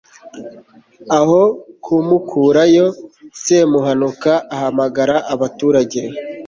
aho kumukurayo, semuhanuka ahamagara abaturage